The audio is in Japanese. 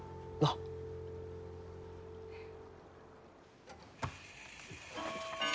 うん。